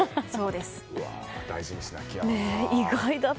うわあ大事にしなきゃ。